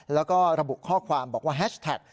แล้วก็ระบุข้อความบอกว่าแฮชแท็ก